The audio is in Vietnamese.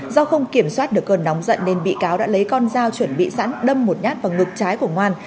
do không kiểm soát được cơn nóng giận nên bị cáo đã lấy con dao chuẩn bị sẵn đâm một nhát vào ngực trái của ngoan